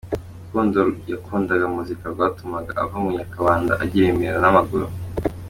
Urukundo yakundaga muzika rwatumaga ava mu Nyakabanda akajya i Remera n’amaguru.